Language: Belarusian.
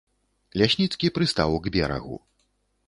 Лясніцкі прыстаў к берагу.